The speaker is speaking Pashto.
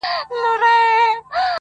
شپې د ځوانۍ لکه شېبې د وصل وځلېدې؛